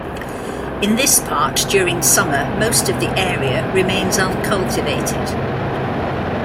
In this part during summer most of the area remains uncultivated.